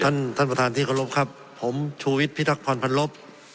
ท่านท่านประธานที่ขอรบครับผมชูวิตพิทักพรพันธ์ลบ